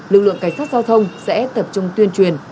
lực lượng cảnh sát giao thông sẽ tập trung tuyên truyền